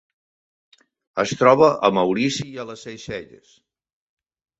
Es troba a Maurici i a les Seychelles.